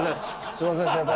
すいません先輩